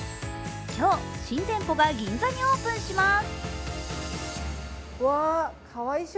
今日、新店舗が銀座にオープンします。